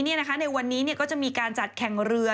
นอกจากนี้ในวันนี้ก็จะมีการจัดแข่งเรือ